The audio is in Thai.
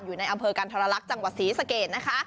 อยู่ในอำเภอกันทรลักษณ์จังหวัดศรีสะเกดนะคะ